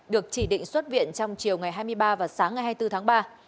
được chỉ định xuất viện trong chiều ngày hai mươi ba và sáng ngày hai mươi bốn tháng ba